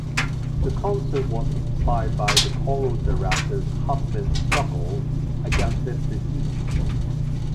The concert was inspired by the choral director's husband's struggle against this disease.